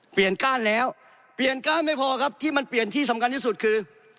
ก้านแล้วเปลี่ยนก้านไม่พอครับที่มันเปลี่ยนที่สำคัญที่สุดคือ